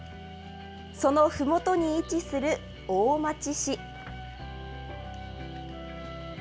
そのふもとに位置する大町市。